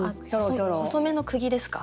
細めのくぎですか？